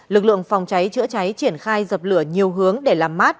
lực lượng phòng cháy chữa cháy triển khai dập lửa nhiều hướng để làm mát